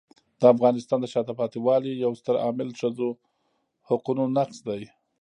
د افغانستان د شاته پاتې والي یو ستر عامل ښځو حقونو نقض دی.